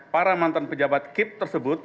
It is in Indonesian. para mantan pejabat kip tersebut